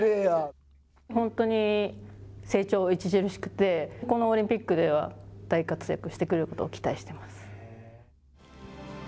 本当に成長著しくてこのオリンピックでは大活躍してくれることを期待しています。